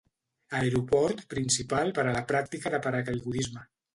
Aeroport principal per a la pràctica de paracaigudisme.